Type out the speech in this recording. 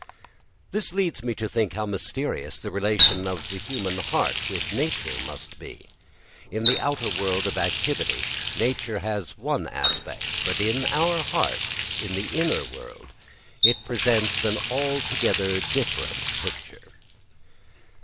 This leads me to think how mysterious the relation of the human heart with nature must be. In the outer world of activity nature has one aspect, but in our hearts, in the inner world, it presents an altogether different picture.